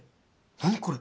何これ！？